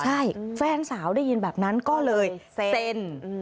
ใช่แฟนสาวได้ยินแบบนั้นก็เลยเซ็น